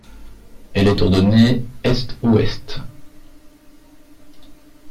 Elle est ordonnée est - ouest.